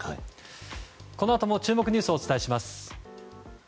このあとも注目ニュースをお伝えします。